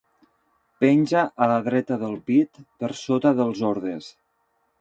Penja a la dreta del pit, per sota dels ordes.